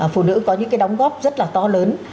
phụ nữ có những cái đóng góp rất là to lớn